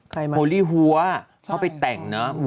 โมลี่หัวเขาไปแต่งเนอะ